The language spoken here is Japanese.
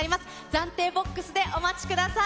暫定ボックスでお待ちください。